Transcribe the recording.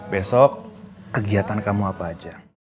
besok kegiatan kamu apa aja